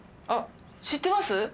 あ知ってます？